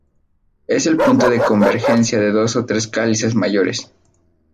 Es el punto de convergencia de dos o tres cálices mayores.